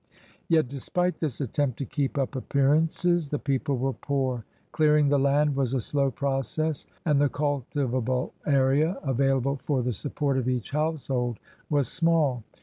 " Yet despite this attempt to keep up appear ances, the people were poor. Clearing the land was a slow process, and the cultivable area avail able for the support of each household was small.